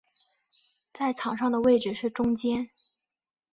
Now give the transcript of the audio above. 在场上的位置是中坚。